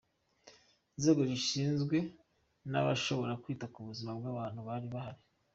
Inzego zishinzwe n'abashobora kwita ku buzima bw'abantu bari bahari.